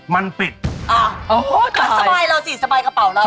มันเป็นอะไร